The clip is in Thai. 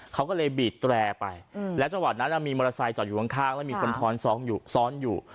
เขาก็เลยบีดแตรไปและจังหวัดนั้นมีมอเตอร์ไซค์จอดอยู่ข้างแล้วมีคนท้อนอยู่ซ้อนอยู่